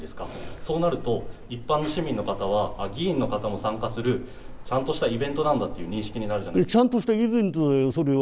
そうなると、一般の市民の方は、あっ、議員の方も参加するちゃんとしたイベントなんだっていう認識になちゃんとしたイベントだよ、それは。